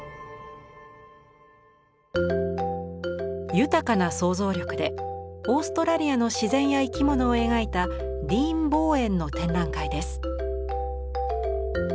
豊かな想像力でオーストラリアの自然や生き物を描いたディーン・ボーエンの展覧会です。